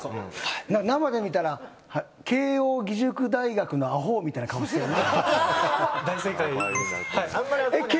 生で見たら慶應義塾大学のアホウみたいな顔してるな。